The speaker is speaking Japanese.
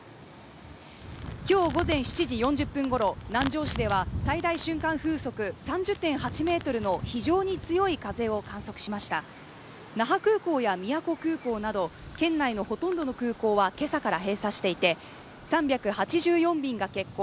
今日午前７時４０分ごろ、南城市では最大瞬間風速３０．８メートルの非常に強い風を観測しました那覇空港や宮古空港など県内のほとんどの空港は今朝から閉鎖していて３８４便が欠航